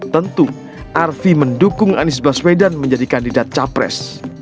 tentu arfi mendukung anies baswedan menjadi kandidat capres